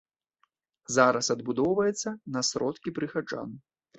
Зараз адбудоўваецца на сродкі прыхаджан.